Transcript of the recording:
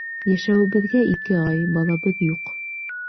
Йәшәүебеҙгә ике ай, балабыҙ юҡ.